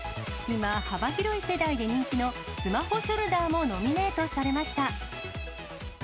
今、幅広い世代に人気のスマホショルダーもノミネートされました。